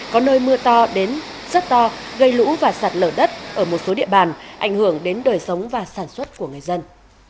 có nơi mưa to đến rất to gây lũ và sạt lở đất ở một số địa bàn ảnh hưởng đến đời sống và sản xuất của người dân